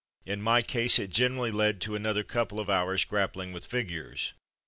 In my case it generally led to another couple of hours grappling with figures.